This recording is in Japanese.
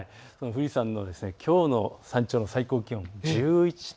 富士山のきょうの山頂の最高気温、１１．０度。